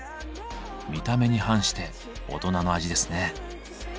見た目に反して大人の味ですね。